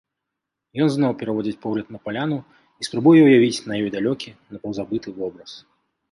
Ён зноў пераводзіць погляд на паляну і спрабуе ўявіць на ёй далёкі, напаўзабыты вобраз.